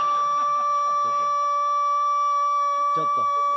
ちょっと！